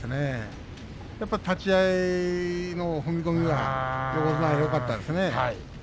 やっぱり立ち合いの踏み込みは横綱はよかったですね。